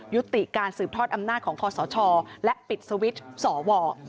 ยุติการสืบทอดอำนาฆของพศช่อและปิดสวิทธิ์สวงศ์